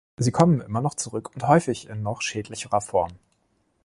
Sie kommen immer zurück und häufig in noch schädlicherer Form.